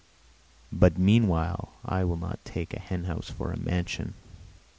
But meanwhile I will not take a hen house for a mansion.